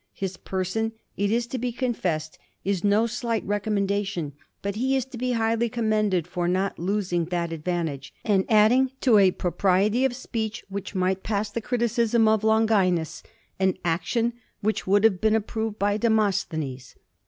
His person, it is to be confessed, is no slight recommendation ; but he is to be highly commended for not losing that advan tage, and adding to a propriety of speech which might pass the criticism of Longinus an action which would have been approved by Demosthenes.